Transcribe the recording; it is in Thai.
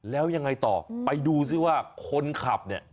แล้วยังไงต่อไปดูซิว่าคนขับเนี่ย